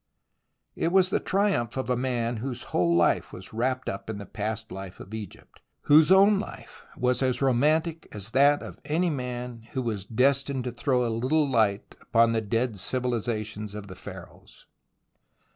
It was the triumph of a man whose whole life was wrapped up in the past life of Egypt, whose own life was as romantic as that of any man who was destined to throw a little light upon the dead civilizations of the Pharaohs.